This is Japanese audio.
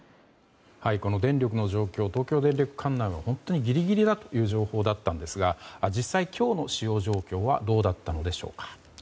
電力の状況が東京電力管内は本当にギリギリだという情報だったんですが実際、今日の使用状況はどうだったのでしょうか。